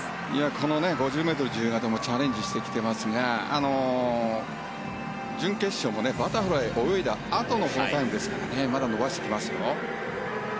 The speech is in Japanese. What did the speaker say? この５０ｍ自由形もチャレンジしてきてますが準決勝もバタフライを泳いだあとのこのタイムですからまだ伸ばしてきますよ。